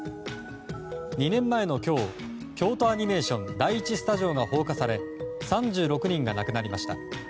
２年前の今日京都アニメーション第１スタジオが放火され３６人が亡くなりました。